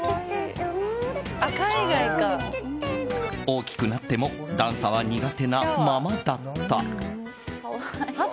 大きくなっても段差は苦手なままだった。